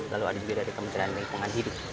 lalu ada juga dari kementerian lingkungan hidup